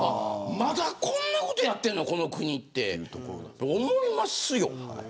まだこんなことやってるのこの国って思いますよ。